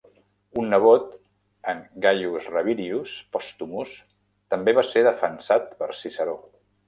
Un nebot, en Gaius Rabirius Postumus, també va ser defensat per Ciceró.